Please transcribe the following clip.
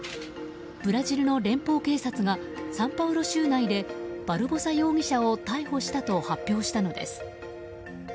ブラジルの連邦警察がサンパウロ州内でバルボサ容疑者を逮捕したと発表したのです。